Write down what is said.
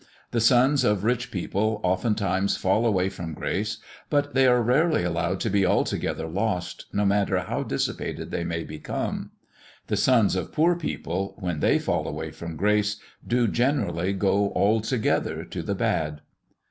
The sons of rich people oftentimes fall away from grace, but they are rarely allowed to be altogether lost, no matter how dissipated they may become. The sons of poor people, when they fall away from grace, do generally go altogether to the bad.